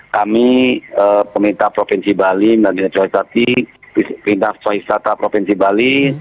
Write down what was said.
kami pemerintah provinsi bali pemerintah soeisata provinsi bali